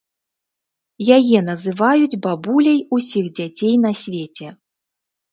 Яе называюць бабуляй усіх дзяцей на свеце.